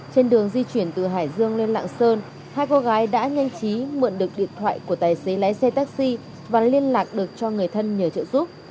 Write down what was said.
trên đường di chuyển từ hải dương lên lạng sơn hai cô gái đã nhanh chí mượn được điện thoại của tài xế lái xe taxi và liên lạc được cho người thân nhờ trợ giúp